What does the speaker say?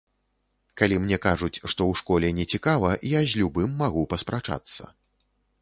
Калі мне кажуць, што ў школе не цікава, я з любым магу паспрачацца.